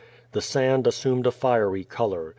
The sand assumed a fiery color.